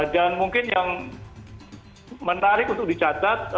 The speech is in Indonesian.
dan mungkin yang menarik untuk dicatat